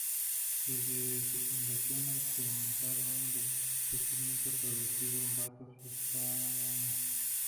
Desde su fundación ha experimentado un decrecimiento progresivo en votos y escaños.